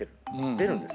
出るんです。